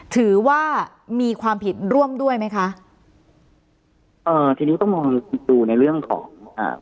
ถือว่ามีความผิดร่วมด้วยไหมคะเอ่อทีนี้ต้องมองดูในเรื่องของอ่า